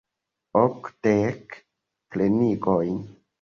Okdek pfenigojn.